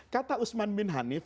kata usman bin hanif